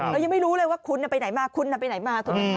เรายังไม่รู้เลยว่าคุณไปไหนมาคุณไปไหนมา